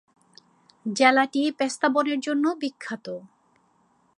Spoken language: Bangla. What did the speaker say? জেলাটি পেস্তা বনের জন্যে বিখ্যাত।